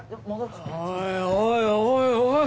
おいおいおいおい。